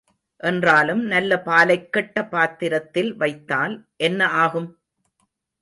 என்றாலும் நல்ல பாலைக் கெட்ட பாத்திரத்தில் வைத்தால் என்ன ஆகும்?